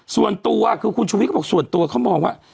ส่วนตัวคือคุณชุวิตก็บอกส่วนตัวเขามองว่า